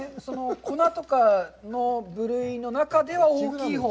粉とかの部類の中では大きいほう？